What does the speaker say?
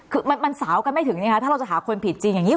คือมันสาวกันไม่ถึงนะคะถ้าเราจะหาคนผิดจริงอย่างนี้